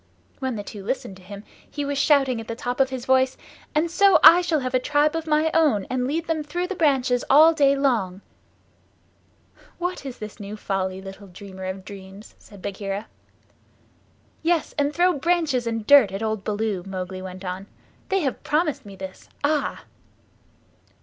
When the two listened to him he was shouting at the top of his voice, "And so I shall have a tribe of my own, and lead them through the branches all day long." "What is this new folly, little dreamer of dreams?" said Bagheera. "Yes, and throw branches and dirt at old Baloo," Mowgli went on. "They have promised me this. Ah!"